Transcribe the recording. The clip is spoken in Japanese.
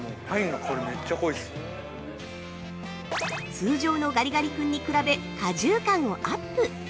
◆通常のガリガリ君に比べ果汁感をアップ！